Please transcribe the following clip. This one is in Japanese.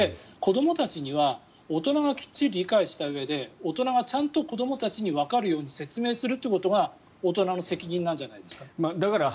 子どもたちには大人がきっちり理解したうえで大人がちゃんと子どもたちにわかるように説明するということが大人の責任なんじゃないですか。